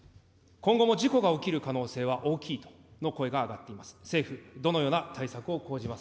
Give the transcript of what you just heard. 今後も事故が起きる可能性は大きいとの声が上がっています。